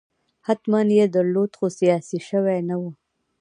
حتماً یې درلود خو سیاسي شوی نه و.